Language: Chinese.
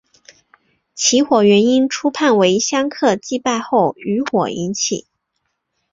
起火原因初判为香客祭拜后余火引起。